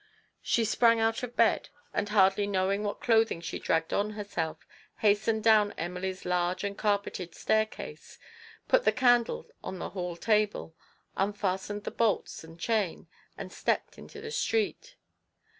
She sprang out of bed, and, hardly knowing what clothing she dragged on herself, hastened down Emily's large and carpeted staircase, put the candle on the hall table, unfastened the bolts and chain, and stepped into the street.